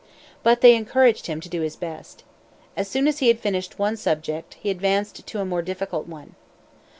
But they encouraged him to do his best. As soon as he had finished one subject, he advanced to a more difficult one.